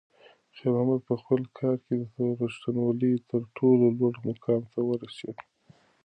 خیر محمد په خپل کار کې د رښتونولۍ تر ټولو لوړ مقام ته ورسېد.